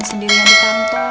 sendirian di kantor